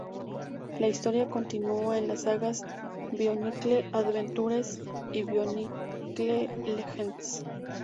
La historia continúa en las sagas "Bionicle Adventures" y "Bionicle Legends".